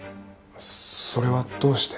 それはどうして？